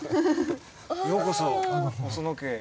ようこそ細野家へ。